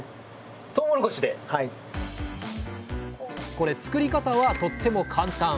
これ作り方はとっても簡単。